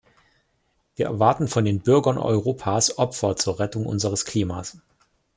Wir erwarten von den Bürgern Europas Opfer zur Rettung unseres Klimas.